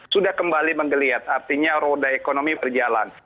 sudah kembali menggeliat artinya roda ekonomi berjalan